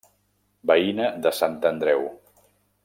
Veïna de Sant Andreu.